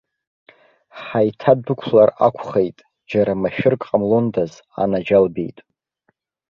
Ҳаиҭадәықәлар акәхеит, џьара машәырк ҟамлондаз, анаџьалбеит!